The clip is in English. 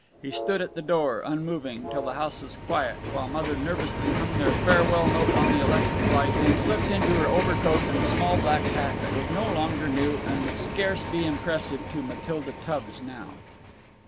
He stood at the door, unmoving, till the house was quiet, while Mother nervously hung their farewell note on the electric light, and slipped into her overcoat and the small black hat that was no longer new and would scarce be impressive to Matilda Tubbs now.